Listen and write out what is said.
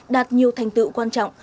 đạt nhiều thành tựu quan trọng